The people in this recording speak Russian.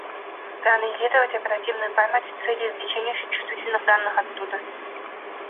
Проанализировать оперативную память с целью извлечения чувствительных данных оттуда